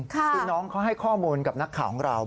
คือน้องเขาให้ข้อมูลกับนักข่าวของเรา